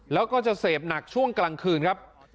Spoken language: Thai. แล้วก็จะเสพหนักช่วงกลางคืนครับ